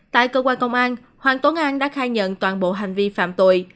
tại cơ quan công an hoàng tuấn an đã khai nhận toàn bộ hành vi phạm tội